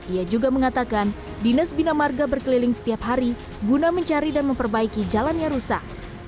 ia juga mengatakan dinas bina marga berkeliling setiap hari guna mencari dan memperbaiki jalan yang rusak